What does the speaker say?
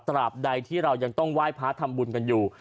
ตราบใดที่เรายังต้องไหว้พระทำบุญกันอยู่